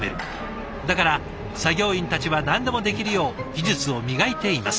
だから作業員たちは何でもできるよう技術を磨いています。